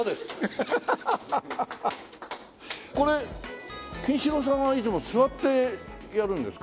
これ金四郎さんはいつも座ってやるんですか？